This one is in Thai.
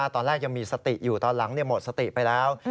ยังมีสติอยู่ตอนหลังหมดสติไปแล้ว